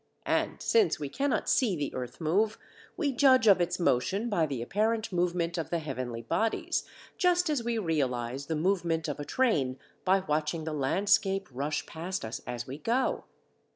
And since we cannot see the earth move, we judge of its motion by the apparent movement of the heavenly bodies, just as we realize the movement of a train by watching the landscape rush past us as we go.